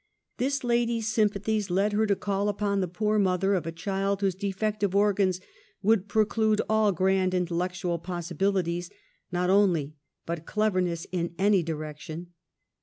This ladies' sym pathies led her to call upon the poor mother of a child wdiose defective organs w^ould preclude all grand intellectual possibilities, not only, but cleverness in any direction.